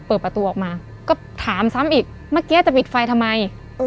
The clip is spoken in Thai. เปิดประตูออกมาก็ถามซ้ำอีกเมื่อกี้จะปิดไฟทำไม